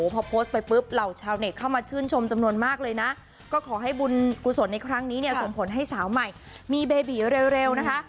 พอโพสต์ไปปุ๊บเหล่าชาวเน็ตเข้ามาชื่นชมจำนวนมากเลยนะก็ขอให้บุญกุศลในครั้งนี้เนี่ยส่งผลให้สาวใหม่มีเบบีเร็วนะคะ